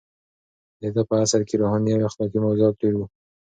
د ده په عصر کې روحاني او اخلاقي موضوعات ډېر وو.